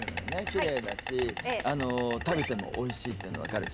キレイだし食べてもおいしいっていうのは分かるし。